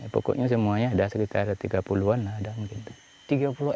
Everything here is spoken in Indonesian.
pokoknya semuanya ada sekitar tiga puluh an lah